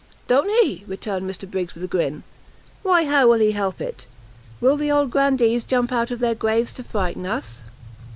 "Don't he?" returned Mr Briggs, with a grin; "why how will he help it? will the old grandees jump up out of their graves to frighten us?"